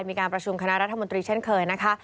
มีการประชุมคณะรัฐมนตรีเช่นเคยนะคะ